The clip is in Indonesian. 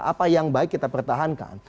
apa yang baik kita pertahankan